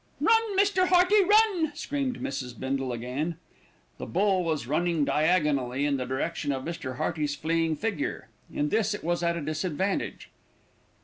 "Run, Mr. Hearty, run!" screamed Mrs. Bindle again. The bull was running diagonally in the direction of Mr. Hearty's fleeing figure. In this it was at a disadvantage.